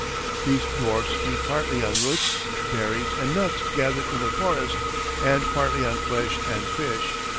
These dwarfs feed partly on roots, berries, and nuts gathered in the forest, and partly on flesh and fish.